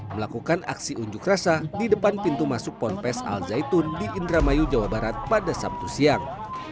melakukan aksi unjuk rasa di depan pintu masuk ponpes al zaitun di indramayu jawa barat pada sabtu siang